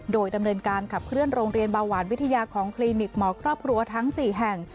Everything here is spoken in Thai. โดยดำเนินการขับเคลื่อนโรงเรียนเบาหวานวิทยาของคลินิกหมอครอบครัวทั้ง๔แห่ง